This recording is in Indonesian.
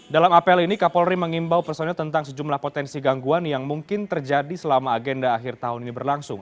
dalam apel ini kapolri mengimbau personel tentang sejumlah potensi gangguan yang mungkin terjadi selama agenda akhir tahun ini berlangsung